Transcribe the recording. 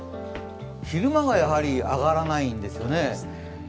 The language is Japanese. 昼間がやはり上がらないんですね。